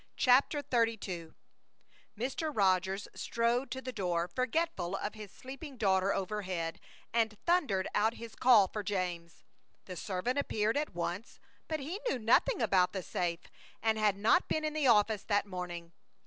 CHAPTER XXXII Mr. Rogers strode to the door, forgetful of his sleeping daughter overhead, and thundered out his call for James. The servant appeared at once, but he knew nothing about the safe, and had not been in the office that morning.